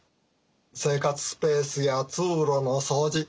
生活スペースや通路の掃除